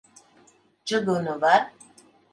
Čugunu var?